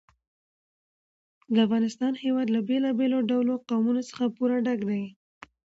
د افغانستان هېواد له بېلابېلو ډولو قومونه څخه پوره ډک دی.